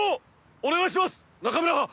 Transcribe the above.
お願いします中村！